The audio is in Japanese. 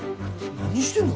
何してんの？